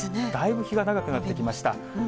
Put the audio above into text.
だいぶ日が長くなってきました。